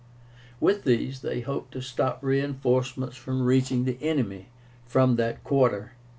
With these they hoped to stop reinforcements from reaching the enemy from that quarter.